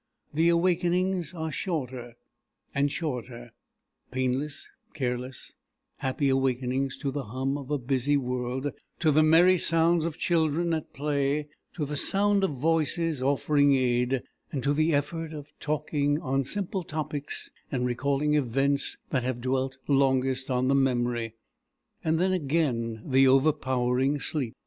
The awakenings are shorter and shorter; painless, careless, happy awakenings to the hum of a busy world, to the merry sounds of children at play, to the sound of voices offering aid; to the effort of talking on simple topics and recalling events that have dwelt longest on the memory; and then again the overpowering sleep.